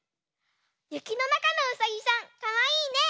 ゆきのなかのうさぎさんかわいいね！